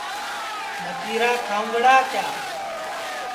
متِیرا کھاؤنگڑا کِیا